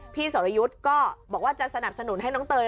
สรยุทธ์ก็บอกว่าจะสนับสนุนให้น้องเตย